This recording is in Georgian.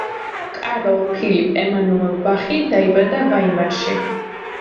კარლ ფილიპ ემანუელ ბახი დაიბადა ვაიმარში.